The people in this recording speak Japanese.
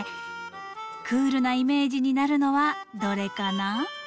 クールなイメージになるのはどれかな？